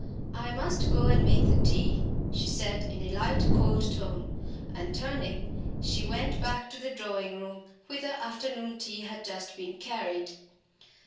"I must go and make the tea," she said, in a light, cold tone, and turning, she went back to the drawing room, whither afternoon tea had just been carried.